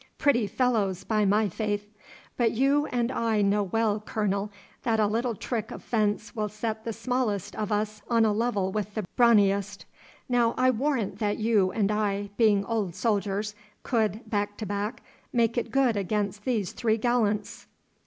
Pretty fellows, by my faith! but you and I know well, Colonel, that a little trick of fence will set the smallest of us on a level with the brawniest. Now I warrant that you and I, being old soldiers, could, back to back, make it good against these three gallants.